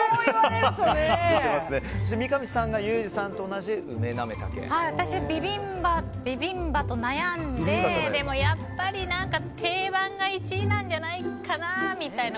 三上さんがユージさんと同じ私は、ビビンバと悩んででもやっぱり、定番が１位なんじゃないかなみたいな。